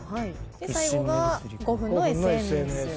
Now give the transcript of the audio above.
最後が５分のＳＮＳ。